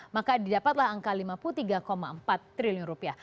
maka didapatlah angka lima puluh tiga empat triliun rupiah